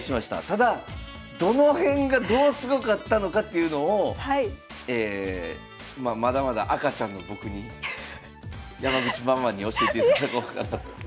ただどの辺がどうすごかったのかっていうのをまだまだ赤ちゃんの僕に山口ママに教えていただこうかなと。